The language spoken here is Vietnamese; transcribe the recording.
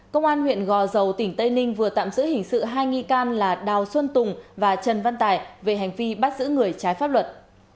công an huyện gò dầu tỉnh tây ninh vừa tạm giữ hình sự hai nghi can là đào xuân tùng và trần văn tài về hành vi bắt giữ người trái pháp luật